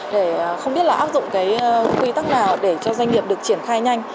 để không biết là áp dụng cái quy tắc nào để cho doanh nghiệp được triển khai nhanh